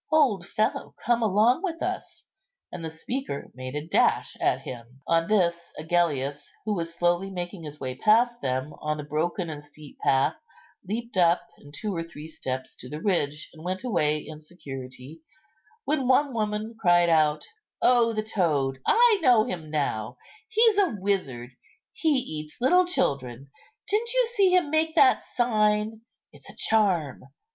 Old fellow, come along with us;" and the speaker made a dash at him. On this Agellius, who was slowly making his way past them on the broken and steep path, leapt up in two or three steps to the ridge, and went away in security; when one woman cried out, "O the toad, I know him now; he is a wizard; he eats little children; didn't you see him make that sign? it's a charm.